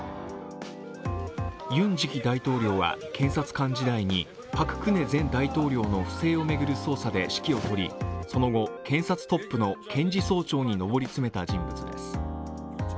ユン次期大統領は検察官時代にパク・クネ前大統領の不正を巡る捜査で指揮をとりその後、検察トップの検事総長に上り詰めた人物です。